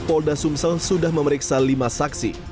polda sumsel sudah memeriksa lima saksi